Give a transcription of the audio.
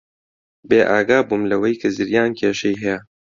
بێئاگا بووم لەوەی کە زریان کێشەی هەیە.